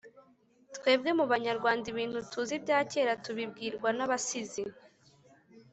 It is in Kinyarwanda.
twebwe mu banyarwanda ibintu tuzi bya cyera tubibwirwa n’abasizi